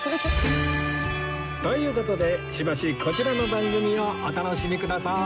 という事でしばしこちらの番組をお楽しみください